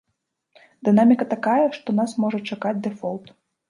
Дынаміка такая, што нас можа чакаць дэфолт.